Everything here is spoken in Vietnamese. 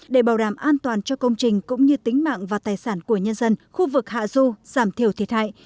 để bảo đảm an toàn cho công trình cũng như tính mạng và tài sản của nhân dân khu vực hạ du giảm thiểu thiệt hại